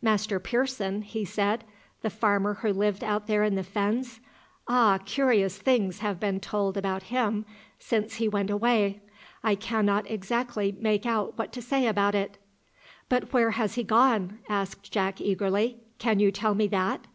"Master Pearson?" he said, "the farmer who lived out there in the fens? Ah, curious things have been told about him since he went away. I cannot exactly make out what to say about it." "But where has he gone?" asked Jack eagerly; "can you tell me that?"